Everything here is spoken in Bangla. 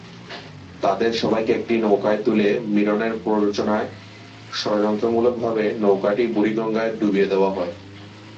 তাদের সবাইকে একটি নৌকায় তুলে মীরনের প্ররোচনায় ষড়যন্ত্রমূলকভাবে নৌকাটি বুড়িগঙ্গায় ডুবিয়ে দেওয়া হয়।